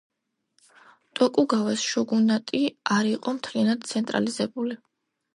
ტოკუგავას შოგუნატი არ იყო მთლიანად ცენტრალიზებული.